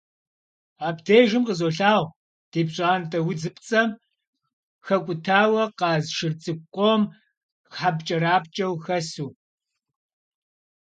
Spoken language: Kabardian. Абдежым къызолъагъу ди пщӀантӀэ удзыпцӀэм хэкӀутауэ къаз шыр цӀыкӀу къом хьэпкӀэрапкӀэу хэсу.